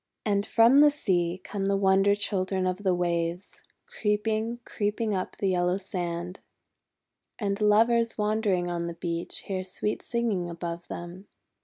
And from the sea come the Wonder Children of the Waves, creeping, creeping up the yellow 330 THE WONDER GARDEN sand. And Lovers wandering on the beach hear sweet singing above them.